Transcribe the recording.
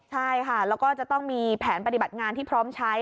ใช่ค่ะแล้วก็จะต้องมีแผนปฏิบัติงานที่พร้อมใช้